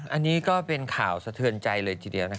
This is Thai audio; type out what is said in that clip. อันนี้ก็เป็นข่าวสะเทือนใจเลยทีเดียว